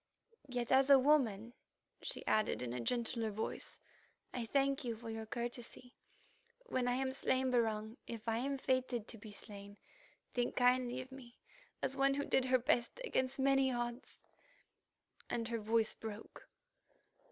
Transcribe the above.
Yet as a woman," she added in a gentler voice, "I thank you for your courtesy. When I am slain, Barung, if I am fated to be slain, think kindly of me, as one who did her best against mighty odds," and her voice broke.